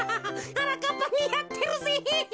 はなかっぱにあってるぜ。